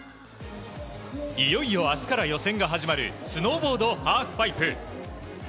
いよいよあすから予選が始まる、スノーボードハーフパイプ。